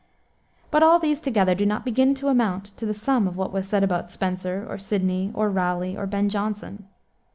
But all these together do not begin to amount to the sum of what was said about Spenser, or Sidney, or Raleigh, or Ben Jonson.